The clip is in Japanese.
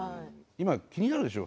気になるでしょう